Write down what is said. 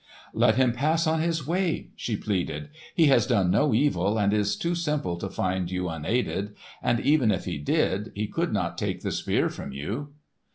"Let him pass on his way," she pleaded. "He has done no evil and is too simple to find you unaided, and even if he did, he could not take the Spear from you."